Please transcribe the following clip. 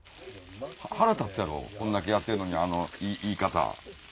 腹立つやろこんだけやってるのにあの言い方。